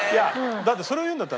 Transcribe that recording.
だってそれを言うんだったらね